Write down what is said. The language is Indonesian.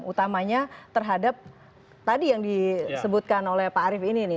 utamanya terhadap tadi yang disebutkan oleh pak arief ini